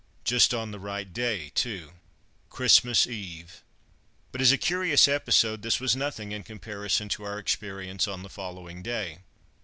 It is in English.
Just on the right day, too Christmas Eve! But, as a curious episode, this was nothing in comparison to our experience on the following day.